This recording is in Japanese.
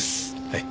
はい。